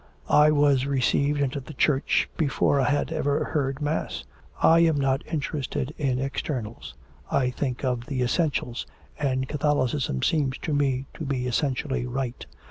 I was received into the Church before I had ever heard Mass. I am not interested in externals; I think of the essentials, and Catholicism seems to me to be essentially right.